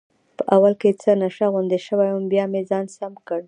په اول کې څه نشه غوندې شوی وم، چې بیا مې ځان سم کړ.